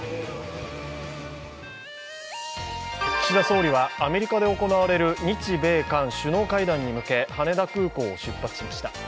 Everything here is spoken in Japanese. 岸田総理はアメリカで行われる日米韓首脳会談に向け、羽田空港を出発しました。